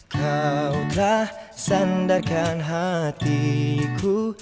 kau tak sandarkan hatiku